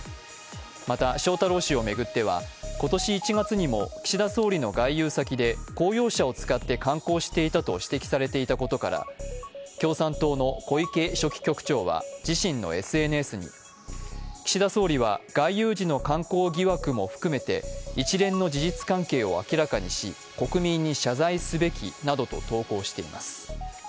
また、翔太郎氏を巡っては、今年１月にも岸田総理の外遊先で、公用車を使って観光していたと指摘されていたことから共産党の小池書記局長は自身のＳＮＳに岸田総理は外遊時の観光疑惑も含めて一連の事実関係を明らかにし、国民に謝罪すべきなどと投稿しています。